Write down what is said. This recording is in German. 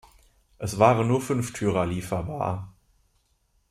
Es waren nur Fünftürer lieferbar.